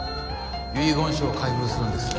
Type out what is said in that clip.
遺言書を開封するんです